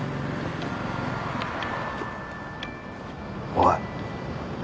おい。